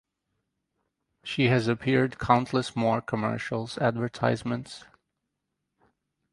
She has appeared countless more commercial advertisements.